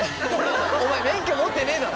お前免許持ってねえだろ。